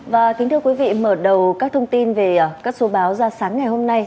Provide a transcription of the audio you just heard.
và kính thưa quý vị mở đầu các thông tin về các số báo ra sáng ngày hôm nay